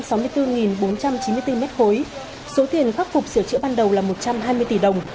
số tiền khắc phục sửa chữa ban đầu là một trăm hai mươi tỷ đồng